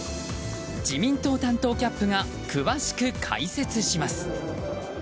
自民党担当キャップが詳しく解説します。